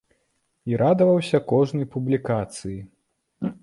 І радаваўся кожнай публікацыі.